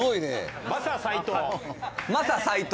マサ斎藤。